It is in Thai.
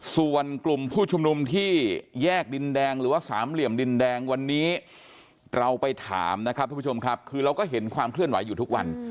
ส่วนกลุ่มผู้ชุมนุมที่แยกดินแดงหรือว่าสามเหลี่ยมดินแดงวันนี้เราไปถามนะครับทุกผู้ชมครับคือเราก็เห็นความเคลื่อนไหวอยู่ทุกวัน